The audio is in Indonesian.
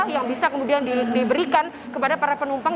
yang bisa kemudian diberikan kepada para penumpang